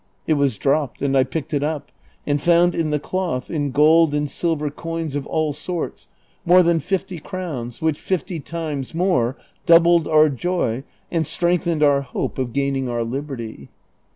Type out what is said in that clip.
It was dropped, and I picked it up, and fouud in the cloth, in gold and CHAPTER XL. 348 silver coins of all sorts, more than fifty crowns, which fifty times more doubled our joy and strengthened our hope of gaining our liberty.